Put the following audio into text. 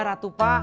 wajar atu pak